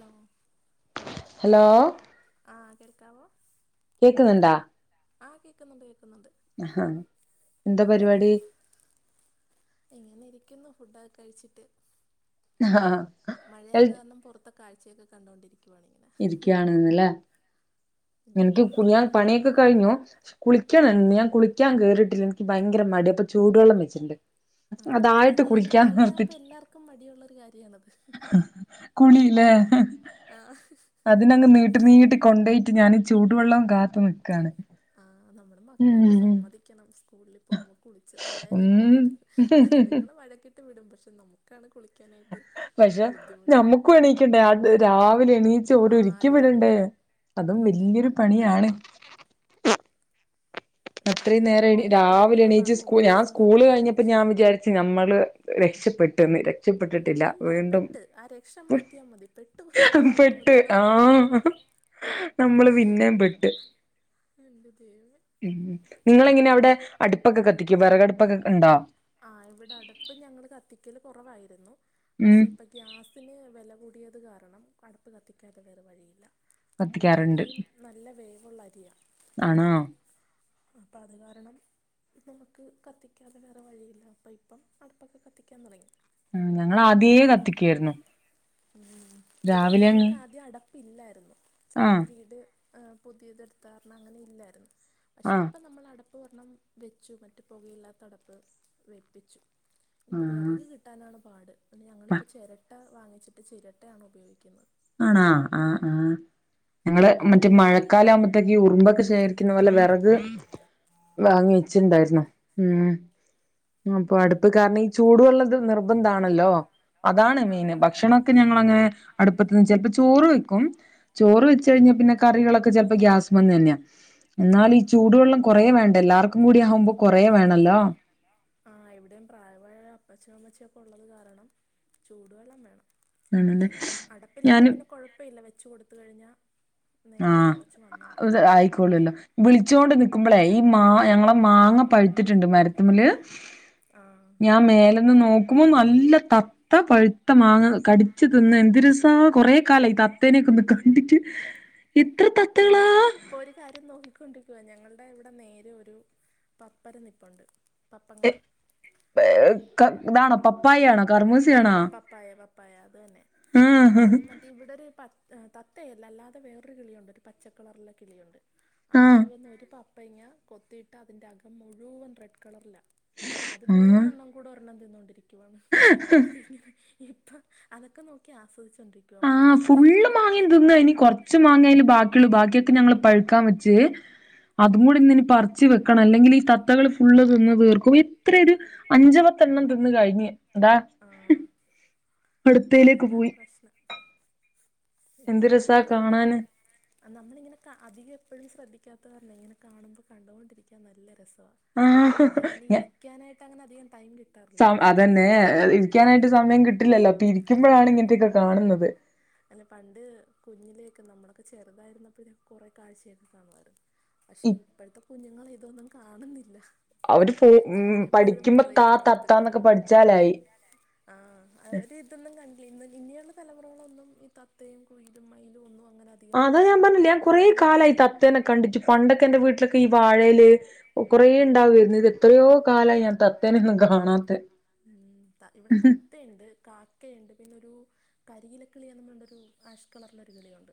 Hello hello ആഹ് കേൾക്കാവോ കേക്കുന്നുണ്ടാ ആ കേക്കുന്നുണ്ട് കേക്കുന്നുണ്ട് ആഹാ എന്താ പരിപാടി ഇങ്ങനെരിക്കുന്നു ഫുഡൊക്കെ കഴിച്ചിട്ട് ആഹ് മഴ എൽ ആയത് കാരണം പുറത്ത് കാഴ്ചയൊക്കെ കണ്ടുകൊണ്ടിരിക്കുവാണ് ഞാൻ ഇരിക്കാണ്ന്ന്ല്ലേ. ഇനിയിപ്പോ എനിക്ക് കുളിയാ ഞാൻ പുറത്തോട്ടൊന്നും പോക്ക് പണിയൊക്കെ കഴിഞ്ഞു നടക്കത്തില്ല ഉം കുളിക്കണം ഞാൻ കുളി ളിക്കാൻ കേറിട്ടില്ല എനിക്ക് ഭയങ്കര മടി അപ്പൊ ചൂടുവെള്ളം വെച്ചിട്ടുണ്ട്. ആ അതായിട്ട് അതെ ഇപ്പൊ കുളിക്കാൻ മഴയാകുമ്പോ നോർത്തിട്ട്. എല്ലാർക്കും മടിയുള്ളൊരു കാര്യമാണത് കുളിലെ ആഹ്. അതിനങ്ങ് നീട്ട് നീട്ടി കൊണ്ടോയിട്ട് ഞാൻ ചൂടുവെള്ളവും കാത്തു നിൽക്കയാണ്. ആ നമ്മുടെ മക്കളൊക്കെ സമ്മതിക്കണം സ്കൂളിൽ പോകുമ്പോൾ കുളിച്ച് ഉം റെഡിയയില്ലേ പോണത്. അതുങ്ങളെ വഴക്കിട്ട് വിടും പക്ഷെ നമുക്കാണ് കുളിക്കാനായിട്ട്. പക്ഷെ ബുദ്ധിമുട്ട് ഞമ്മക്കും എണീക്കണ്ടേ അത് രാവിലെ എണീച്ച ആ ഓരെഒരിക്കി വിടണ്ടേ? രാവിലെ അതും പിന്നെ വലിയൊരു പണിയാണ്. കറി അത്രേനേരം എന്തുണ്ടാക്കി രാവിലെ എണീച്ച് കൊടുക്കുന്നുള്ളതാണ് സ് മുമ്പ് ഞാൻ ദിവസം സകൂള് തൊട്ടുള്ള കഴിഞ്ഞപ്പോ ടെൻഷൻ ഞാൻ വിചാരിച്ചു. നമ്മള് രക്ഷപ്പെട്ടുന്ന് ആ രക്ഷപ്പെട്ടിട്ടില്ല ഇല്ല വീണ്ടും പെട്ട് ആ രക്ഷ മാറ്റിയാൽ മതി പെട്ടു എന്ന് പറഞ്ഞാൽ പെട്ട് മതി അതാണ് കറക്റ്റ് ആഹാ.. നമ്മള് പിന്നെയും പെട്ട് എന്റെ ദൈവമേ ഉം നിങ്ങളെങ്ങനെ അവിടെ അടുപ്പൊക്കെ കത്തിക്കോ വിറകടുപ്പൊക്കെ ഉണ്ടോ? ആഹ് ഇവിടെ അടുപ്പ് ഞങ്ങൾ കത്തിക്കൽ കുറവായിരുന്നു ഉം പക്ഷെ ഇപ്പൊ- ഗ്യാസിന് വില കൂടിയത് കാരണം അടുപ്പ് കത്തിക്കതെ വെറെ വഴിയില്ല. ഇവിടെ കത്തിക്കാറുണ്ട് അരിയും നല്ല വേവുള്ള അരിയാ. ആണോ? അപ്പോ അത് കാരണം. ഇപ്പനമുക്ക് കത്തിക്കാതെ വേറെ വഴിയില്ല അപ്പം ഇപ്പം അടുപ്പൊക്കെ കത്തിക്കാൻ തുടങ്ങി. ആ ഞങ്ങള ആദ്യേ കത്തിക്കയായിരുന്നു. ഉം ഇവിടെ ഞങ്ങക്ക് ആദ്യം അടപ്പില്ലായിരുന്നു. ആഹ് വീട് ആ പുതിയത് എടുത്താർണം അങ്ങനെ ഇല്ലായിരുന്നു. പക്ഷെ ആഹ് ഇപ്പം നമ്മള് അടപ്പ് ഒരണ്ണം വെച്ചു മറ്റു പുകയില്ലാത്ത അടപ്പ് വെപ്പിച്ചു. ഇപ്പെ വിറക് ആഹ് കിട്ടാനാണ് പാട് ഞങ്ങളിപ്പോ ചിരട്ട വാങ്ങിച്ചിട്ട് ചിരട്ടാണ് ഉപയോഗിക്കുന്നത്. ആണോ ആഹ് ആഹ് ഞങ്ങള് മറ്റേ മഴക്കാലം ആ കുമ്പഴത്തേക്ക് ഉറുമ്പൊക്കെ ശേഖരിക്കുന്നത് പോലെ വിറക് ആ വാങ്ങിവച്ചിട്ടുണ്ടായിരുന്നു. ഉം അപ്പൊ അടുപ്പ് കാരണം ഈ ചൂടുവള്ളത് നിർബന്ധം ആണല്ലോ. അതാണ് ആ മെയ്ന് അതെ ഭക്ഷണൊക്കെ ഞങ്ങളങ്ങനെ അടുപ്പി ചെൽപ്പോ ചോറ് വെക്കും. ചോറ് വെച്ച് കഴിഞ്ഞാ പിന്നെ കറികളൊ ചെൽപ്പോ ഗ്യാസ് വ തന്നെയ എന്നാൽ ഈ ആ ചൂടുവെള്ളം. കുറേ വേണ്ടേ എല്ലാവർക്കും കൂടി ആകുമ്പോ കൊറേ വേണല്ലോ ആ ഇവിടെയും പ്രായമായ അപ്പച്ചനും അമ്മച്ചൊക്കെ ഉള്ളത് കാരണം ചൂടുവെള്ളം വേണം. എ ആണല്ലേ അടപ്പിലാകുമ്പോ ഞാന് പിന്നെ കൊഴപ്പല്ല വെച്ച് കൊടുത്തു കഴിഞ്ഞാ നേരെ ആഹ് തിളച്ച് വന്നോളും ഇത് ആയിക്കോളല്ലോ. വിളിച്ചോണ്ട് നിക്കുമ്പോളേ ഈ മാ ഞങ്ങളെ മാങ്ങ പഴ് പഴ്ത്ണ്ട് മരത്തുമല് ആഹ് ഞാൻ മേലന്ന് നോക്കുമ്പോ നല്ല ത- ആ പഴുത്ത മാങ്ങ കടിച്ചു തിന്ന് എന്ത് രസാ കൊറെ കാലായി തത്തേനെക്കൊന്ന് കണ്ടിട്ട്. ഇത്ര ത ഞാന് ഇപ്പോ ഒരു കാര്യം നോക്കിക്കൊണ്ടിരിക്കുവ ഞങ്ങളുടെ ഇവിടെ നേരെ ഒരു പപ്പര നിപ്പുണ്ട് പപ്പങ്ങ പെ ക ഇതാണോ പപ്പായ യാണോ കർമൂസയാണോ? പ്പായ പപ്പായ അത് തന്നെ ആഹ് അത് മ ഇവിടെ ഒരു പ തത്തയല്ല അല്ലാതെ വേറൊരു കിളിയുണ്ട് ഒരു പച്ചക്കളറിലെ കിളിയുണ്ട്. ആ ആഹ് കിളി വന്ന് ഒരു പപ്പയങ്ങ കൊത്തിയിട്ട് അതിന്റെ അകം മുഴുവൻ റെഡ് കളർലാ അത് ആഹ് മൂന്നെണ്ണം കൂടെ ഒരെണ്ണം തിന്നോണ്ടിരിക്കുവാണ് [unintelligible] ഇപ്പൊ അതൊക്കെ നോക്കി ആസ്വദിച്ചോണ്ടിരി ആഹ് ഫുള്ള് മാങ്ങി തിന്ന് കയിഞ്ഞ് ഇനി കൊറ ച്ച് മാങ്ങയ്ല് ബാക്കിയുള്ളു ബാക്കിയൊക്കെ ഞങ്ങള് പഴുക്കാൻ വെച്ച് അതും കൂടി ഇന്ന്നി പറിച്ചു വെക്കണം അല്ലെങ്കിൽ ഈ തത്തകൾ ഫുള്ള് തിന്ന് തീർക്കും ഇത്രെയൊരു അഞ്ചുപത്തെണ്ണം തിന്നു കഴിഞ്ഞ് ദാ ആഹ് അടുത്തേലേക്ക് അതാണ് പോയി പ്രശ്നം ഇപ്പൊ എന്ത് രസാ മൂന്നെണ്ണം ഉണ്ട് ഇവിടെ. കാണാന് നമ്മളിങ്ങനെ അധികം എപ്പോഴും ശ്രദ്ധിക്കാത്തെ കാരണം ഇങ്ങനെ കാണുമ്പോൾ കണ്ടുകൊണ്ടിരിക്ക നല്ല രസമാ ആഹ് അയിൽ ഇരിക്കാനായിട്ട് അങ്ങനെ അധികം ടൈം കിട്ടാറില്ല സ ഇപ്പം ഇത്തിരി അതന്നെ ഫ്രീ ആയതുകൊണ്ട് ഇരിക്കാനായിട്ട് സമയം കിട്ടില്ലല്ലോ അപ്പൊ ഇരിക്കുമ്പോഴാണ് ഇങ്ങനത്തെക്കെ കാണുന്നത്. അല്ലെ പണ്ട് കുഞ്ഞിലേക്കെ നമ്മളൊക്കെ ചെറുതായിരുന്നപ്പോ കുറെ കാഴ്ചയൊക്കെ കാണുവായിരുന്നു ഇ പക്ഷെ ഇപ്പഴത്തെ കുഞ്ഞുങ്ങൾ ഇതൊന്നും കാണുന്നില്ല. അവര് പോ ഉം ഞാൻ എപ്പോഴും പഠിക്കുമ്പോ താ പറയും അതുങ്ങടുത്ത് തത്താന്നൊക്കെ പഠിച്ചാലായി. ആ അവര് ഇതൊന്നും കണ്ടില ഇനിയൊള്ള തലമുറകളൊന്നും ഇത് തത്തയും കുയിലും മയിലും ഒന്നും അങ്ങനെ അതി അതാ ഞാൻ പറഞ്ഞിലേ ഞാന് കുറെ കാലായി തത്തേന കണ്ടിട്ടു പണ്ടൊക്കെ ന്റെ വീട്ടിലൊക്കെ ഈ വാഴയില് കുറേ ഉണ്ടാവരുന്നു ഇത് എത്രയോ കാലായി ഞാൻ തത്തേനൊന്നും കാണാത്തെ ത ഇവിടെ താ ത്തയുണ്ട് കാക്കയുണ്ട് പിന്നെരു കരിയിലക്കിളിയെന്ന് പറഞ്ഞൊരു ആഷ് കളറിലൊരു കിളിയുണ്ട്.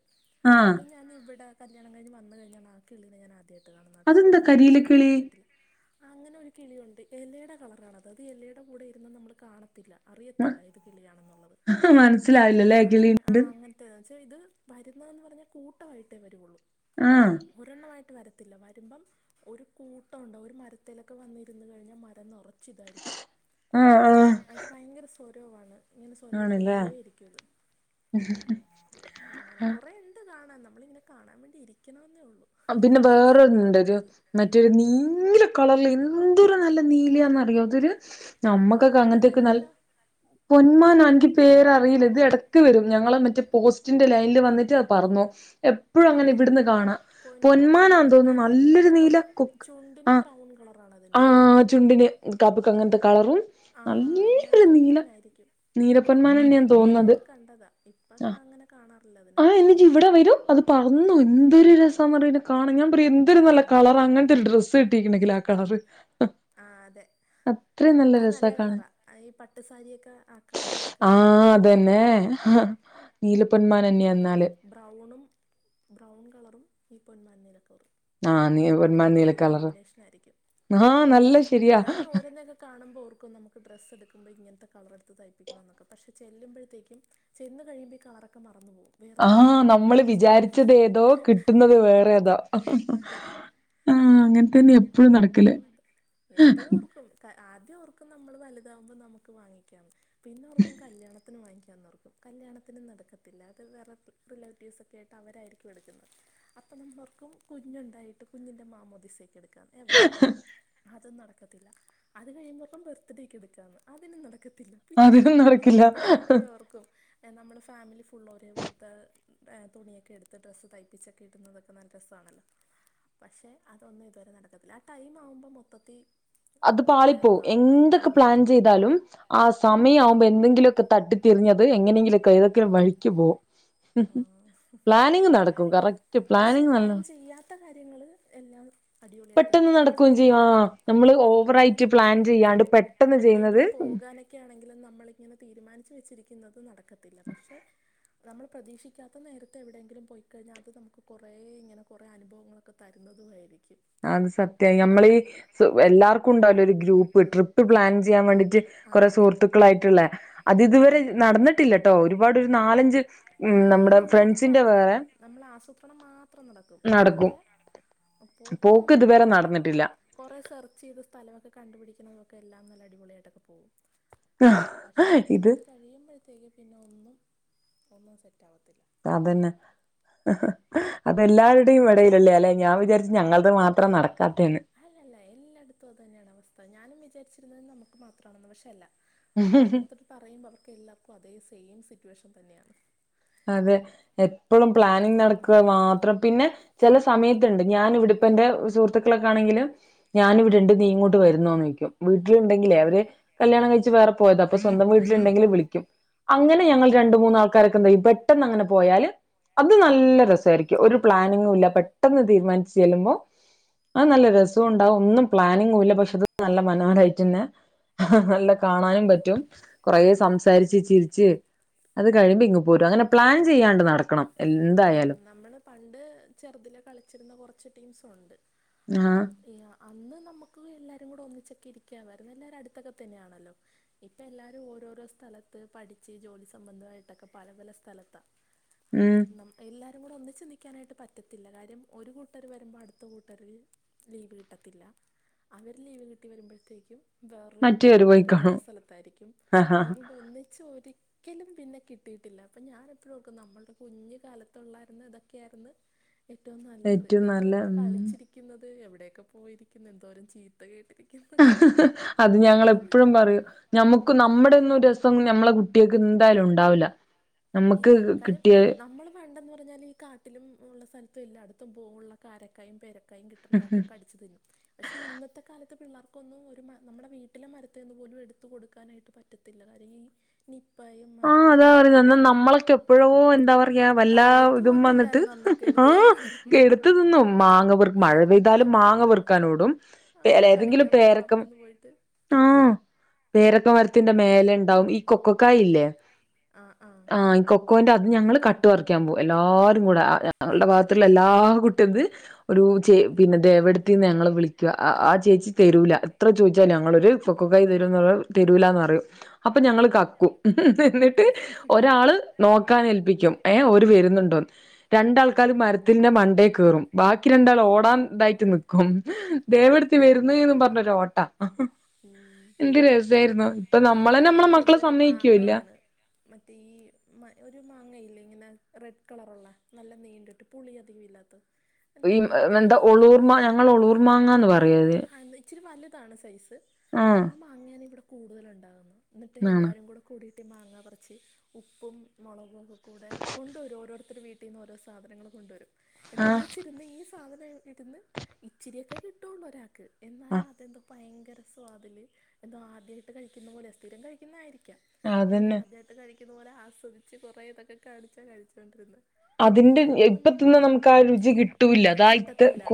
ആഹ് അത് ഞാൻ ഇവിടെ കല്യാണം കഴിഞ്ഞുവന്നു കഴിഞ്ഞാണ് ആ കിളിനെ ഞാൻ ആദ്യയാ ദേ കാണുന്നുട്ടാ അതെന്താ ഞങ്ങള് കരിയില കണ്ടതൊന്നും ഞാൻ കിളി കണ്ടിട്ടില്ലാ അങ്ങനെ ഒരു കിളിയുണ്ട് എലേടെ കളറാണത് അത് എലേടെ കൂടെ ഇരുന്ന നമ്മൾ കാണത്തില്ല. അറിയത്തില്ല ഇത് കിളിയാണെന്നുള്ളത് മനസ്സിലായില്ലല്ലേ ആ കിളി ആങ്ങ ത് ച്ച് ഇത് വരുന്ന എന്നുപറഞ്ഞാ കൂട്ടമായിട്ടേ വരുവൊള്ളൂ. ആഹ് ഒരെണ്ണവായിട്ട് വരത്തില്ല വരുമ്പം ഒരു കൂട്ടമുണ്ട് ഒരു മരത്തിലൊക്കെ വന്നിരുന്നുകഴിഞ്ഞാൽ മരം നിറച്ച് ഇതായിരിക്കും. ഉം ആയിട്ട് ഭയങ്കര സ്വരോവാണ്. ഇങ്ങനെ സ്വര ആണല്ലേ ഇട്ടൊണ്ടേ ഇരിക്കത് അങ്ങനെ ആ കൊറെ കാണ നമ്മളി ഇങ്ങനെ കാണാൻ വേണ്ടി ഇരിക്കണന്നേ ഉള്ളൂ. ആ പിന്നെ ഇരിക്കാൻ സമയം വേറെന്നുണ്ട് ഒരു കിട്ടാറില്ല ന്ന്ട്ട് നീലകളറില് എന്തൊരു നല്ല നീലയാന്നറിയോ അതൊരു നമ്മക്കൊക്കെ അങ്ങനത്തൊക്കെ നല്ല് പൊന്മാനല്ലല്ലോ പൊന്മാനോ എനിക്ക് പേരറിയില്ല ഇത് ഇടക്ക് വരും ഞങ്ങളെ മറ്റേ പോസ്റ്റിന്റെ ലൈനിൽ വന്നിട്ട് അത് പറന്നു എപ്പഴും അങ്ങനെ ഇവിടന്ന് കാണാം പൊന്മാൻ ണ്ട് പൊന്മാൻ നീല കളറും ചുണ്ടിന് ബ്രൗൺ കളറണ് അതിന്റെ. ആ ചുണ്ടിന് കാപ്പിക്ക് അങ്ങനത്തെ കളറും ആ എങ്കിയത് നല്ലൊരു നീല പൊന്മാനായിരിക്കും. പണ്ട് നീലപ്പൊന്മാനെന്നെയാന്ന് തോന്നുന്നത് കുഞ്ഞലേക്കെ കണ്ടതാ ഇപ്പൊക്കെ ആഹ് അങ്ങനെ കാണാറില്ല ആഹ് ഇതിനെയൊന്നും. എന്നിട്ട് ഇവിടെ വരും അത് പറന്നു എന്തൊരു രസമാന്നറിയൊതിനെ കാണാൻ ഞാൻ പറയാ എന്ത് എതൊരു നല്ല കളർ അങ്ങനത്തെ ഒരു ഡ്രസ്സ് കിട്ടീട്ടുണ്ടെങ്കിൽ ആ കളർ ആ അതെ അത് നല്ല കാണാൻ കളറാ ഈ പട്ടു സാരിയൊക്കെ ആ കളറില ആ അതുതന്നെ ഹാ നീലപ്പൊന്മാനന്നെയാന്നാല്. ബ്രൗണും ബ്രൗൺ കളറും ഈ പൊന്മാൻ നീല കളറും. നീ ആ പൊന്മാൻ രണ്ടാൾക്കും നീല നല്ല കളറ് കോമ്പിനേഷനായിരിക്കും ആ നല്ല ശരിയാ ഞാന് ഓരോന്നൊക്കെ കാണുമ്പോ ഓർക്കും നമുക്ക് ഡ്രസ്ടുക്കുമ്പോൾ ഇങ്ങനത്തെ കളറെടുത്ത് തൈപിക്കണം എന്നൊക്കെ പക്ഷെ ചെുമ്പോഴത്തേക്കും ചെന്ന് കഴിയ്മ്പോ അവറൊക്കെ മറന്നു പോകും ആ വേറെന്തൊക്കെയോ കാണുമ്പോ നമ്മള് അതൊക്കെ ഇഷ്ടപ്പെടും വിചാരിച്ചത് ഏതോ കിട്ടുന്നത് വേറെ ഏതോ അത്. ആ അങ്ങനെ തന്നെ എപ്പഴും നടക്കല് എന്താവെന്തൊ എപ്പഴു ഓർക്കും. ക ആദ്യം ഓർക്കും നമ്മൾ വലുതാകുമ്പോ നമുക്ക് വാങ്ങിക്കാം പിന്നെ ഓർക്കും കല്യാണത്തിന് വാങ്ങിക്കാനോർക്കും. കല്യാണത്തിനും നടക്കത്തില്ല അത് വേറെ പ് റിലേറ്റീവ്സൊക്കെ ആയിട്ട് അവരായിരിക്കും എടുക്കുന്നത്. അപ്പ നമ്മളൊർക്കും കുഞ്ഞുണ്ടായിട്ട് കുഞ്ഞി്ന്റെ മാമോദിസക്ക് എടുക്കാന്ന് എവിട. അതു നടക്കത്തില്ല അത് കഴിയുമ്പപ്പം ബർത്ത്ഡേക്ക് എടുക്കാന്ന് അതിനും നടക്കത്തില്ല. പിന്നെ അതിനും നടക്കില്ല ഞാൻ എപ്പഴും ഓർക്കും നമ്മള് ഫാമിലി ഫുള്ളോരേ പോലത്തെ എഹ് തുണിയൊക്കെ എടുത്ത് ഡ്രസ്സ് തൈപ്പിച്ചൊക്കെ ഇടുന്നത് നല്ല രസാണല്ലോ പക്ഷേ അതൊന്നും ഇതുവരെ നടക്കത്തില്ല ആ ടൈം ആവുമ്പോ മൊത്തത്തി അത് പാളിപ്പോവും എന്തൊക്കെ പ്ലാൻ ചെയ്താലും. ആ സമയവുമ്പോ എന്തെങ്കിലൊക്കെ തട്ടിത്തിതിരിഞ്ഞത് എങ്ങനെങ്കിലൊക്കെ ഏതൊക്കെ വഴിക്ക് പോവും. ഹും ആവുമ്പോ ഹും പക്ഷെ പ്ലാനിങ് നല്ല പ്ലാൻ ചെയ്യാത്ത കാര്യങ്ങള് എല്ലാം. അടിപൊളിയായിട്ട് പെട്ടെന്ന് നടക്കുകയും ചെയ്യും ആ നമ്മള് ആഹ് ഓവറായിട്ട് പ്ലാൻ ഞാനപ്പപ്പോഴും പറയും ചെയ്യാണ്ട് പെട്ടെന്ന് ചെയ്യുന്നത് എവിടെയെങ്കിലും പോകാനെ ക്കെയാണെങ്കിലു നമ്മളിങ്ങനെ തീരുമാനിച്ചു വെച്ചിരിക്കുന്നത് നടക്കത്തില്ല പക്ഷെ നമ്മള് പ്രതീക്ഷിക്കാത്ത നേരത്തെ എവിടെയെങ്കിലും പോയിക്കഴിഞ്ഞാൽ അത് നമുക്ക് കുറേ ഇങ്ങനെ കുറേ അനുഭവങ്ങളൊക്കെ തരുന്നതുമായിരിക്കും അത് സത്യായി നമ്മളീ സ് എല്ലാർക്കും ഉണ്ടാവുലെരു ഗ്രൂപ്പ് ട്രിപ്പ് പ്പ് പ്ലാൻ ചെയ്യാൻ വേണ്ടിട്ട് ആ കുറെ അതെ സുഹൃത്തുക്കളായിട്ടുള്ള അത് ആഹ് ഇതുവരെ നടന്നിട്ടില്ലട്ടോ ഒരുപാട് ഒരു നാലഞ്ച് ഉം ആഹ് നമ്മുടെ അതെല്ലാടത്തും ഫ്രണ്ട്സിന്റെ അങ്ങനാ വേറെ നമ്മള് ആസൂത്രണം മാത്രം നടക്കും അല്ലാതെ പോക്കൊന്നും പോക്ക് ഇതുവരെ നടക്കത്തില്ല നടന്നിട്ടില്ല കൊറേ സെർച്ചയ്ത് സ്ഥലവൊക്കെ കണ്ടുപിടിക്കണതൊക്കെ എല്ലാം നല്ല അടിപൊളിയായിട്ടൊക്കെ പോവു. പക്ഷെ ഇത് അത് കഴിയുമ്പോഴത്തേക്കും പിന്നെ ഒന്നും ഒന്നും സെറ്റാത്തില്ല. അതന്നെ അതെല്ലാവരുടെയും ഇടയിളില്ലേ അല്ലെ ഞാൻ വിചാരിച്ച ഞങ്ങളത് മാത്ര അത്ര നടക്കാത്തെന്ന് അല്ലല്ല എല്ലായിടത്തും അത് തന്നെയാണ് അവസ്ഥ ഞാനും വിചാരിച്ചിരുന്ന നമുക്ക് മാത്രാണെന്ന് പക്ഷെ അല്ല. ഓരോടത്തർ പറയുമ്പം അവർക്ക് എല്ലാർക്കും അതേ സെയിം സിറ്റുവേഷൻ തന്നെയാണ്. അതെ എപ്പളും പ്ലാനിങ് നടക്ക്വ മാത്രം പിന്നെ. ചില സമയത്തുണ്ട് ഞാൻ ഇവിടെപ്പ എന്റെ സുഹൃത്തുക്കളൊക്കെ ആണെങ്കില് ഞാനിവിട്ണ്ട് നീ ഇങ്ങോട്ട് വരുന്നോന്നോയ്ക്ക്യും. വീട്ടില്ണ്ടെങ്കിലേ അവര് കല്യാണം കഴിച്ച് ഉം വേറെ പോയത, അപ്പൊ സ്വന്തം വീട്ടിലുണ്ടെങ്കില് വിളിക്ക്യും. അങ്ങനെ ഞങ്ങൾ ആഹ് രണ്ട് മൂന്നാൾക്കാരൊക്കെന്തയ്യും പെട്ടെന്നങ്ങനെ പോയാല്. അത് നല്ല ആഹ് രസായിരിക്കും ഒരു പ്ലാനിങ്ങും ഇല്ല പെട്ടെന്ന് തീരുമാനിച്ചു ചെല്ലുമ്പോ ആഹ നല്ല രസുണ്ടാവും ഒന്നും പ്ലാനിങ്ങൂല്ല പക്ഷെ ത് നല്ല മനോഹരായിട്ടെന്നെ. അല്ല ഉം കാണാനും പറ്റും കൊറേ സംസാരിച്ച് ചിര്ച്ച് അത് കഴിയുമ്പിങ്ങ്- പോരു അങ്ങനെ പ്ലാൻ ചെയ്യാണ്ട് നടക്കണം ഉം എന്തായാലും. നമ്മള് പണ്ട് ചെറുതില് കളിച്ചിരുന്ന കുറച്ച് ടീംസ് ഉണ്ട് അഹ ആഹ് ഇയാ അന്ന് നമ്മക്ക് എല്ലാരു കൂടെ ഒന്നിച്ചൊക്കെ ഇരിക്കാമായിരുന്നു എല്ലാരും അടുത്തൊക്കെ തന്നെയാണല്ലോ ഇപ്പൊ എല്ലാരും ഓരോരോ സ്ഥലത്ത് പഠിച്ച് ജോലി സംബന്ധമായിട്ടൊക്കെ പല പല സ്ഥലത്താ ഉം അത്‌നം എല്ലാരു കൂടെ ഒന്നിച്ച് നിക്കാനായിട്ട് പറ്റത്തില്ല കാര്യം ഒരു കൂട്ടര് വരുമ്പോ അടുത്ത കൂട്ടര് ലീവ് കിട്ടത്തില്ല അവർ ലീവ് കിട്ടി വരുമ്പഴത്തേക്ക്യും. വേറെ മറ്റേവര് പോയി ആൾക്കാര് കാണും വേറെ സ്ഥലത്തായിരിക്കും ആഹാ അതുകൊണ്ട് ഒന്നും ചോദി ക്കലും പിന്നെ കിട്ടിട്ടില്ല പ്പ ഞാൻ എപ്പഴുംഓക്കും നമ്മൾടെ കുഞ്ഞു കാലത്ത് തൊള്ളായിരുന്ന് ഇതൊക്കെയായിരുന്ന് ഏറ്റവും നല്ലത് ഏറ്റവും നല്ല എന്തോര ഉം കളിച്ചിരി ക്യുന്നത് എവിടെയൊക്കെ പോയിരിക്കുന്ന എന്തോരം ചീ തു കേട്ടിരിക്കും. അത് ഞങ്ങള് എപ്പഴും പറയും ഞമ്മുക്ക് നമ്മുടെരുസ് ഇപ്പം നമ്മളെ കുട്ടികൾക്ക് എന്തായാലും ഉണ്ടാവില്ല നമ്മക്ക് ഇല്ല കാര്യം കിട്ടിയെ നമ്മൾ പണ്ടെന്ന് പറഞ്ഞാല് ഈ കാട്ടിലും ഉള്ള സ്ഥലത്തും എല്ലായിടത്തും പോവുള്ള കാരക്കായും പേരക്ക ക്കായും കിട്ട്ണതൊക്കെ കടിച്ചു തിന്നും പക്ഷേ ഇന്നത്തെ കാലത്തെ പിള്ളാർക്കൊന്നും ഒരു നമ്മുടെ വീട്ടിലെ മരതീ ന്ന് പോലും എടുത്തു കൊടുക്കാനായിട്ട് പറ്റത്തി ത്തില്ല കാര്യം ഈ നിപ്പായും അതും ആഹ് അതാ ഇതും പറഞ്ഞ പറയുന്നത് എന്നാ നമ്മളൊക്കെ എപ്പോഴോ എന്താ പറയാ വല്ലാ കഴുകത്ത് ഇതും പോലും വന്നിട്ട് ഇല്ലായിരുന്നു അന്നൊക്കെ ആ എടുത്ത് തിന്നുമായിരുന്നു ന്നും മാങ്ങ പെർ മഴ പെയ്താലും മാങ്ങ പൊറുക്കാനോടും ആ ഏതെങ്കിലും കളിക്കാൻ പോയ പേരക്ക അവിടെ നിന്ന് പോയിട്ട് പേരക്ക മരത്തിന്റെ മേലെഴഉണ്ടാവും ഈ കൊക്കക്കായ് ഇല്ലേ ആ ആ ആഹ് ഈ കൊക്കോന്റെ അത് ഞങ്ങള് കട്ട് പറിക്കാൻ പോവും എല്ലാരും കൂടെ ഞങ്ങളുടെ ഭാഗത്തുള്ള എല്ലാ ത് ഒരു ചേ പിന്നെ ദേവടുത്തിന്ന് ഞങ്ങളെ വിളിക്കാ ആഹ് ചേച്ചി തരൂല എത്ര ചോദിച്ചാലും ആ ഞങ്ങളൊരു കൊക്കക്കായി തരോ തരുലാന്ന് പറയും അപ്പൊ ഞങ്ങൾ കക്കൂം ഒരാള് നോക്കാൻ ഏൽപ്പിക്കും ഏഹ് ഓര് വരുന്ന്ണ്ടോന്ന് രണ്ടാൾക്കാര് ആ മരത്തിന്റെ മണ്ടേ കേറും ബാക്കി രണ്ടാൾ ഓടാൻ ഇതായിട്ട് നിക്കും ദേവെട്ത്തി വരുന്ന് എന്ന് പറഞ്ഞൊരു ഓട്ട ഉം. എന്ത് രസായിരുന്നു ഇപ്പ നമ്മുടെ നമ്മളെന്നെ ഇവിടെ നമ്മളെ മക്കള് കൂടുതലും സമ്മയിക്ക് മാങ്ങയാണ് മറ്റേ ഈ മ ഒരു മാങ്ങയില്ലേ ഇങ്ങനെ റെഡ് കളറുള്ള നല്ല നീണ്ടിട്ട് പുളി അധികം ഇല്ലാത്തെ ഈ മാങ്ങടെ എന്താ പേരന്താന്ന് ഞാൻ ഒളൂർമാ മറന്നു ഞങ്ങൾ ഒളൂർമാങ്ങാന്ന് പറയത് പോയി ഇച്ചിരി വലുതാണ് സൈസ് ആഹ് അങ്ങനെ ഇവിടെ കൂടുതല് ഉണ്ടാകുന്നു എന്നിട്ട് ആണ് എല്ലാവരും കൂടെ കൂടിയിട്ട് മാങ്ങപറിച്ച് ഉപ്പും മുളകും ഒക്കക്കൂടെ കൊണ്ടു വരും ഓരോർത്തരെ ഓരോ സാധനങ്ങൾ കൊണ്ടുവരും എന്നിട്ട് ആഹ് ഒന്നിച്ചിരുന്ന് ഈ സാധനം ഇരുന്ന് ഇച്ചിരിയൊക്കെ കിട്ടുവൊള്ളു ഒരാൾക്ക് എന്നാലും ആഹ് അതെന്താ ഭയങ്കര സ്വാദ്ല് എന്തോ ആദ്യായിട്ട് കഴിക്കുന്ന പോലെ സ്ഥിരം കഴിക്കുന്നതായിരിക്കാം എങ്കിലും അതന്നെ ആദ്യായിട്ട് കഴിക്കുന്ന പോലെ ആസ്വദിച്ച് കുറേ ഇതൊക്കെ കാണിച്ചാ കഴിച്ചുകൊണ്ടിരുന്നേ അതിന്റെ ഇപ്പത്തൊന്നും നമുക്ക് ആഹ് രുചി കിട്ടൂല്ല അതായത് കിട്ടത്തില്ല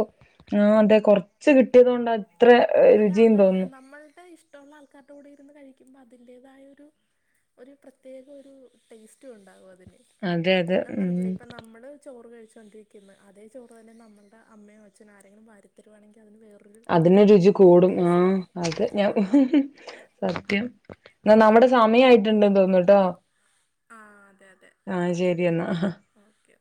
ആഹ് അതെ കൊറച്ച് കിട്ടിയത് കൊണ്ട് അത്ര രുചിയും തോന്ന് നമ്മൾടെ ഇഷ്ടം ഇഷ്ടമുള്ള ആൾക്കാരുടെ കൂടെ ഇരുന്ന് കഴിക്കുമ്പോ അതിന്റേതായൊരു ഒരു പ്രത്യേക ഒരു ടേസ്റ്റു ഉണ്ടാകും അതിന് അതെ അതെ ഉം നമ്മള് ചോറ് കഴിച്ചോണ്ടിരിക്കുന്ന് അതേ ചോറ് തന്നെ നമ്മുടെ അമ്മയും അച്നും ആരെങ്കിലും വാരിതരുവാണെങ്കിൽ അതിന് വേറൊ അതിന് രുചി കൂടും ആഹ് അത് ഞാൻ സത്യം എന്നാ നമ്മുടെ സമയായിട്ടുണ്ടെന്ന് തോന്നു ആഹ് അതെ അതെ ആഹ് ശരി എന്നാ ഓക്കെ